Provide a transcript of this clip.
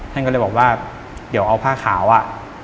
ท่านก็เลยบอกว่าเดี๋ยวเอาผ้าขาวอ่ะ